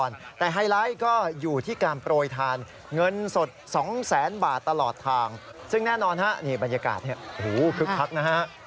ในไฮไลท์ก็อยู่ที่การโปรยทานบาทเงินสดสองแสนบาทตลอดทางซึ่งแน่นอนฮะนี่บรรยากาศเนี้ยโอ้โฮคึกพักนะฮะ